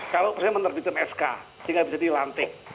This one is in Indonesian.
kalau presiden menerbitkan sk sehingga bisa dilantik